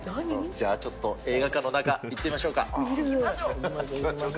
じゃあちょっと、映画館の中、行ってみましょうか。